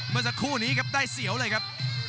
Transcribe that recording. เมื่อสักครู่นี้ครับได้เสียวเลยครับ